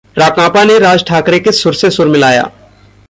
राकांपा ने राज ठाकरे के सुर से सुर मिलाया